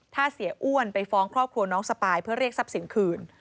ถ้าเสียอ้วนไปฟ้องครอบครัวน้องสปายเพื่อเรียกทรัพย์สินคืน